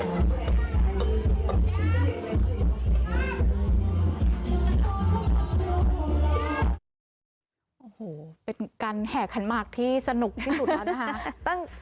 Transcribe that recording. โอ้โหเป็นการแห่ขันหมากที่สนุกที่สุดแล้วนะคะ